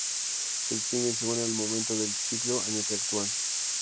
Se distinguen según el momento del ciclo en el que actúan.